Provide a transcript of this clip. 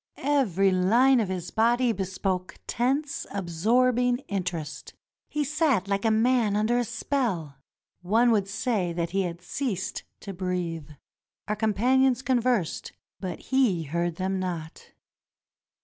Every line of his body bespoke tense, absorbing interest. He sat like a man under a spell. One would say that he had ceased to breathe. Our companions conversed, but he heard them not.